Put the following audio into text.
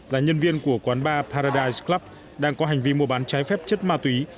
là nhân viên của quán ba paradise club đang có hành vi mua bán trái phép chất ma túy